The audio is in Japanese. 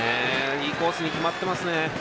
いいコースに決まってますね。